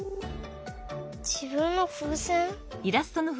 じぶんのふうせん？